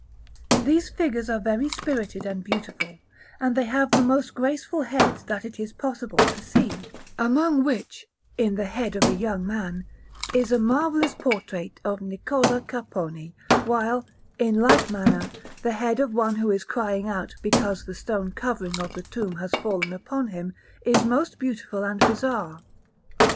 These figures are very spirited and beautiful, and they have the most graceful heads that it is possible to see; among which, in the head of a young man, is a marvellous portrait of Niccola Capponi, while, in like manner, the head of one who is crying out because the stone covering of the tomb has fallen upon him, is most beautiful and bizarre.